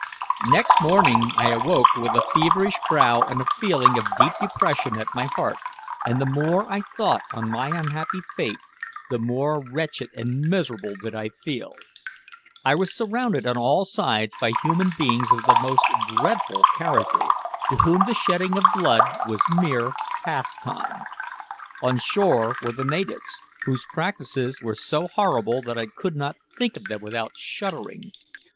Next morning I awoke with a feverish brow and a feeling of deep depression at my heart; and the more I thought on my unhappy fate, the more wretched and miserable did I feel. I was surrounded on all sides by human beings of the most dreadful character, to whom the shedding of blood was mere pastime. On shore were the natives, whose practices were so horrible that I could not think of them without shuddering.